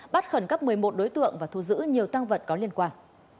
bắt khẩn cấp một mươi một đối tượng và thu giữ nhiều tăng vật có liên quan